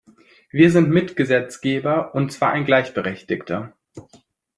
Wir sind Mitgesetzgeber, und zwar ein gleichberechtigter.